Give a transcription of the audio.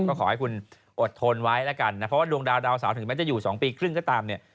ก็ขอให้คุณอดทนไว้แล้วกันนะเพราะว่าดวงดาวดาวเสาร์ถึงแม้จะอยู่๒ปีครึ่งก็ตามเนี่ย